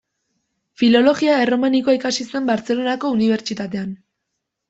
Filologia erromanikoa ikasi zuen Bartzelonako Unibertsitatean.